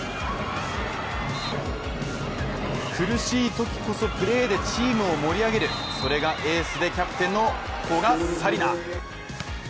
苦しいときこそプレーでチームを盛り上げるそれがエースでキャプテンの古賀紗理那。